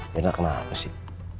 mirna kenapa sih